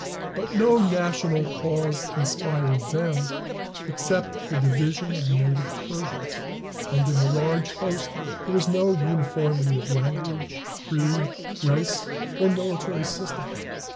But no national cause inspired them except the division of native Persians; and in the large host there was no uniformity of language, creed, race or military system.